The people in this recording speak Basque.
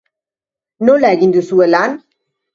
Nola egin duzue lan?